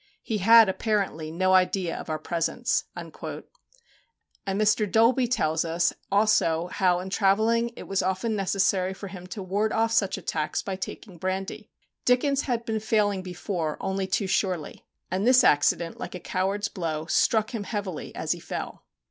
He had ... apparently no idea of our presence." And Mr. Dolby tells us also how in travelling it was often necessary for him to ward off such attacks by taking brandy. Dickens had been failing before only too surely; and this accident, like a coward's blow, struck him heavily as he fell.